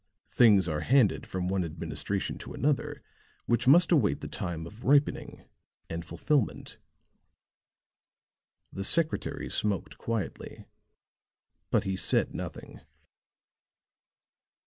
Things are handed from one administration to another which must await the time of ripening and fulfilment." The secretary smoked quietly, but he said nothing.